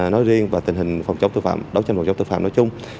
nói riêng và tình hình phòng chống tội phạm đấu tranh phòng chống tội phạm nói chung